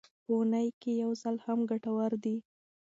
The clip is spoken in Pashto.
په اونۍ کې یو ځل هم ګټور دی.